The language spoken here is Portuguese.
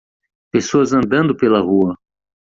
Pessoas andando pela rua.